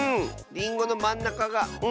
りんごのまんなかが「ん」